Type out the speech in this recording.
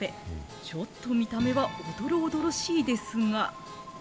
ちょっと見た目はおどろおどろしいですが。